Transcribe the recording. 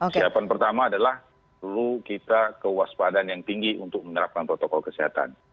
siapan pertama adalah perlu kita kewaspadaan yang tinggi untuk menerapkan protokol kesehatan